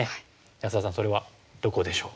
安田さんそれはどこでしょう？